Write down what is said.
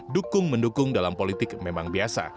dukung mendukung dalam politik memang biasa